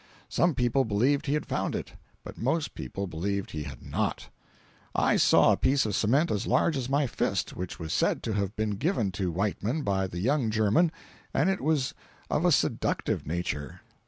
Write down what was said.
Some people believed he had found it, but most people believed he had not. I saw a piece of cement as large as my fist which was said to have been given to Whiteman by the young German, and it was of a seductive nature.